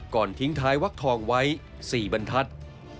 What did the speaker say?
ก่อนทิ้งท้ายวักทองไว้สี่บันทัศน์